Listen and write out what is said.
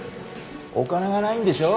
お金がないんでしょ？